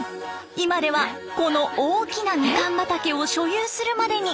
今ではこの大きなみかん畑を所有するまでに。